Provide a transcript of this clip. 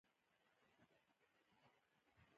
هغه په کور کې کله کله خیاطي هم کوله